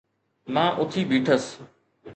مان اٿي بيٺس